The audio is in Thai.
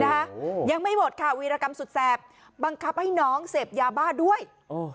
ยังไม่หมดค่ะวีรกรรมสุดแสบบังคับให้น้องเสพยาบ้าด้วยอ๋อ